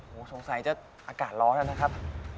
โอ้โหสงสัยจะอากาศร้อนแล้วนะครับ